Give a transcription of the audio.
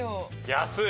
安い。